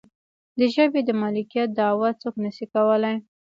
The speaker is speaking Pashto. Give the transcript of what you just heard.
د ژبې د مالکیت دعوه څوک نشي کولی.